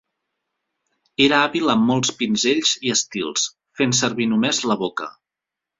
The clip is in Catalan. Era hàbil amb molts pinzells i estils, fent servir només la boca.